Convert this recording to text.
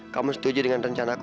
kamu setuju dengan rencana aku